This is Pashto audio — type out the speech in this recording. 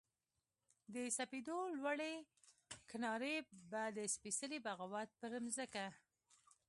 د سپېدو لوړې کنارې به د سپیڅلې بغاوت پر مځکه